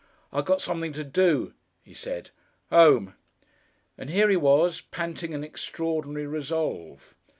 "I got something to do," he said. "'Ome." And here he was panting an extraordinary resolve.